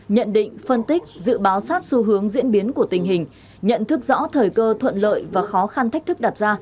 nhận định phân tích dự báo sát xu hướng diễn biến của tình hình nhận thức rõ thời cơ thuận lợi và khó khăn thách thức đặt ra